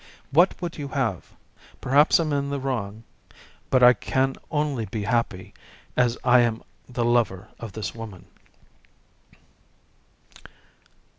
What would you have? Perhaps I am in the wrong, but I can only be happy as long as I am the lover of this woman."